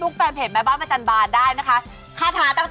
ขทาชิณบัญชาที่มาพูดคุยกับเราในวันนี้